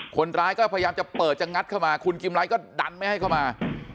คนร้ายก็พยายามจะเปิดจะงัดเข้ามาคุณกิมไรก็ดันไม่ให้เข้ามา